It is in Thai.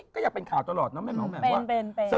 ก็อยากเป็นข่าวตลอดนะแม่น้องแหม่นว่า